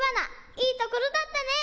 いいところだったね。